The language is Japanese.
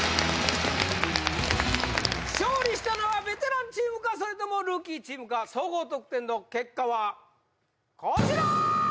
勝利したのはベテランチームかそれともルーキーチームか総合得点の結果はこちら！